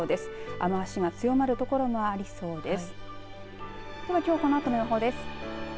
雨足の強まる所がありそうです。